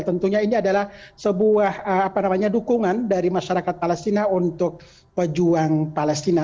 tentunya ini adalah sebuah dukungan dari masyarakat palestina untuk pejuang palestina